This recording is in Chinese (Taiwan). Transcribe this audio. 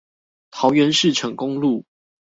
桃園市成功路